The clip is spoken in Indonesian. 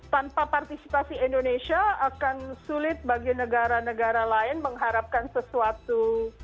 tanpa partisipasi indonesia akan sulit bagi negara negara lain mengharapkan sesuatu